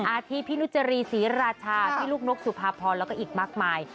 อาทิตพี่นุจรีศรีราชาพี่ลูกนกสุภาพรแล้วก็อีกมากมาย